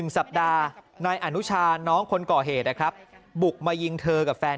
สัปดาห์นายอนุชาน้องคนก่อเหตุนะครับบุกมายิงเธอกับแฟน